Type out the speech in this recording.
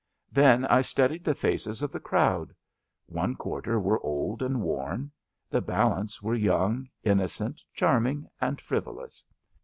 Then I studied the ffices of the crowd. One quarter were old and worn; the balance were young, in nocent, charming and frivolous.